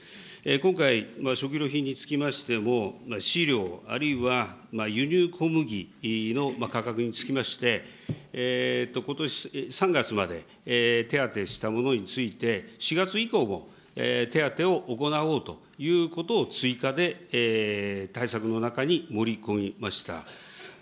今回、食料品につきましても飼料、あるいは輸入小麦の価格につきまして、ことし３月まで手当したものについて、４月以降も手当を行おうということを追加で対策の中に盛り込みました。